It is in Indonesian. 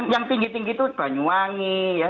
yang tinggi tinggi itu banyuwangi ya